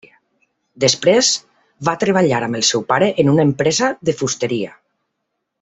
Després, va treballar amb el seu pare en una empresa de fusteria.